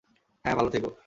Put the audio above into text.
হ্যাঁ, ভালো থেকো।